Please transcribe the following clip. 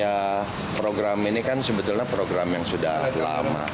ya program ini kan sebetulnya program yang sudah lama